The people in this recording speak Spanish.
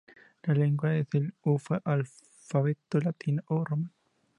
La lengua usa el alfabeto latino o romano.